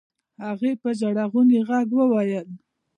هغې په ژړغوني غږ وويل.